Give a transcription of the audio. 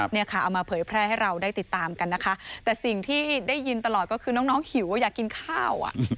เนี่ยค่ะเอามาเผยแพร่ให้เราได้ติดตามกันนะคะแต่สิ่งที่ได้ยินตลอดก็คือน้องหิวว่าอยากกินข้าว